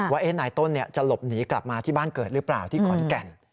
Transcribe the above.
ว่านายต้นจะหลบหนีกลับมาที่บ้านเกิดหรือเปล่าที่ขอนแก่น